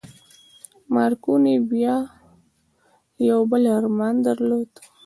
مارکوني بيا يو بل ارمان درلود.